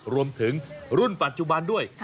รวมถึงรุ่นปัจจุบันด้วย